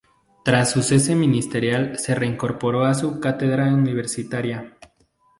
Tras su cese ministerial se reincorporó a su cátedra universitaria.